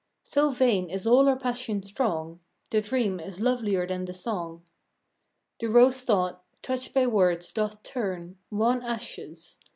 So vain is all our passion strong! The dream is lovelier than the song. The rose thought, touched by words, doth turn Wan ashes.